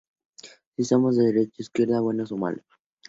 Si somos de derecha o de izquierda; buenos o malos.